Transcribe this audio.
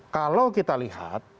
kalau kita lihat